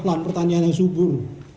lan pertanian yang subur